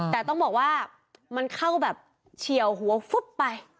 แต่ต้องบอกว่ามันเข้าแบบเฉียวหัวฟุ๊บไป